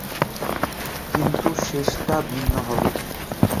কিন্তু, শেষটা ভিন্ন হবে।